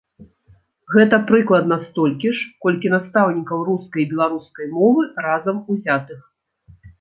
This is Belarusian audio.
Гэта прыкладна столькі ж, колькі настаўнікаў рускай і беларускай мовы разам узятых.